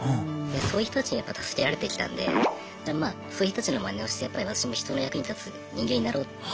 そういう人たちにやっぱ助けられてきたんでまあそういう人たちのまねをして私も人の役に立つ人間になろうって。